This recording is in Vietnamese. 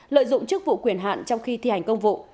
lợi dụng chức vụ quyền hạn trong khi thi hành công vụ